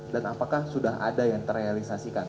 dan apakah sudah ada yang terrealisasikan